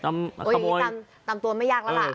อย่างนี้ตามตัวไม่ยากแล้วล่ะ